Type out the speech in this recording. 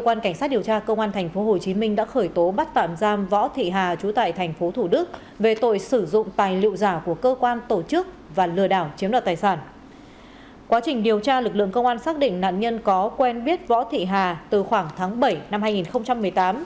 quá trình điều tra lực lượng công an xác định nạn nhân có quen biết võ thị hà từ khoảng tháng bảy năm hai nghìn một mươi tám